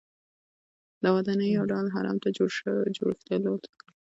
دا ودانۍ یو ډول هرم ته ورته جوړښت درلود.